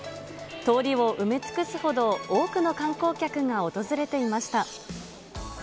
通りを埋め尽くすほど多くの観光客が訪れていました。